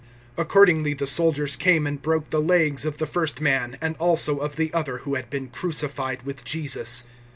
019:032 Accordingly the soldiers came and broke the legs of the first man and also of the other who had been crucified with Jesus.